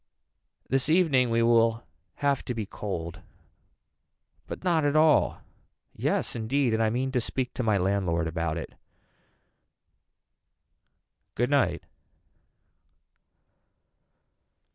This evening we will have to be cold. But not at all. Yes indeed and I mean to speak to my landlord about it. Good night.